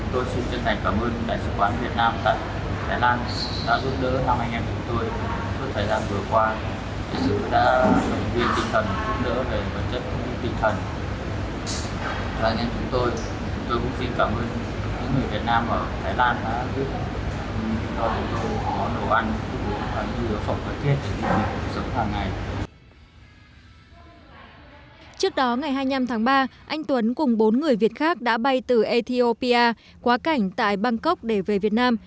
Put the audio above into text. trước đó ngày hai mươi năm tháng ba anh tuấn cùng bốn người việt khác đã bay từ ethiopia quá cảnh tại bangkok để về việt nam